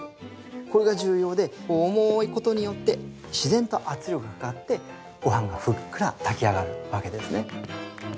これが重要で重いことによって自然と圧力がかかってごはんがふっくら炊き上がるわけですね。